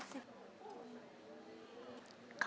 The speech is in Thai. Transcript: ฮาวะละพร้อม